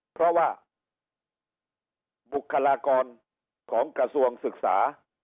เพราะว่าบุคลากรของกระทรวงศึกษา